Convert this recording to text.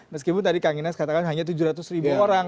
meskipun tadi kang inas katakan hanya tujuh ratus ribu orang